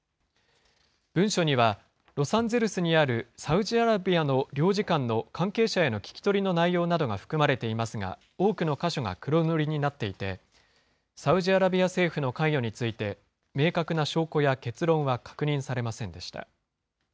文書には、ロサンゼルスにあるサウジアラビアの領事館の関係者への聞き取りの内容などが含まれていますが、多くの箇所が黒塗りになっていて、サウジアラビア政府の関与について、明確な証拠や結論は確認されませんでした。